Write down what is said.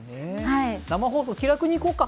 生放送、気楽にいこうか。